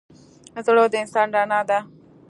زړه د انسان رڼا ده.